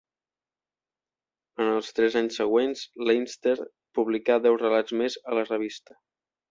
En els tres anys següents, Leinster publicà deu relats més a la revista.